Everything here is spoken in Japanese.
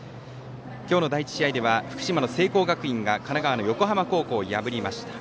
今日の第１試合では福島の聖光学院が神奈川の横浜を破りました。